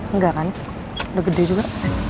enggak kan udah gede juga